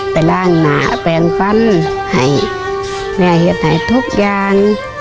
ไปล้างหนาแปลงฟันให้แม่เห็ดให้ทุกอย่าง